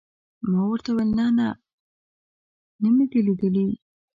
ما ورته وویل: نه، نه مې دي لیدلي.